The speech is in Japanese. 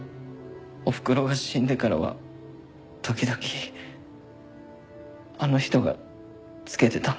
おふくろが死んでからは時々あの人がつけてたんだ。